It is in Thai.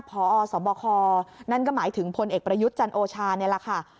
พอสบคนั่นก็หมายถึงพลเอกประยุทธ์จันโอชานี่แหละค่ะ